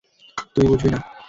তুই বুঝবি না।